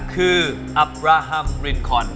คืออับราฮัมรินคอน